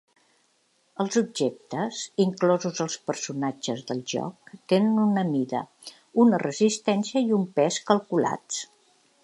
Els objectes, inclosos els personatges del joc, tenen una mida, una resistència i un pes calculats.